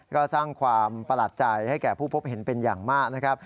ก็สร้างความประหลาดใจให้แก่ผู้พบเห็นเป็นอย่างมากนะครับ